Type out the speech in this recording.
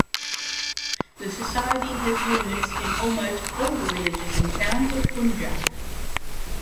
The society has units in almost all the villages and towns of Punjab.